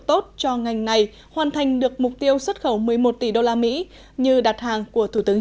tốt cho ngành này hoàn thành được mục tiêu xuất khẩu một mươi một tỷ đô la mỹ như đặt hàng của thủ tướng